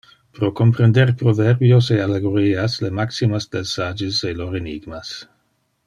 Pro comprender proverbios e allegorias, le maximas del sages e lor enigmas.